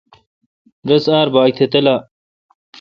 رس آر باگ تہ تلا۔